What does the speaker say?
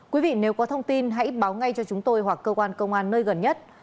quý vị nếu có thông tin hãy báo ngay cho chúng tôi hoặc cơ quan công an nơi gần nhất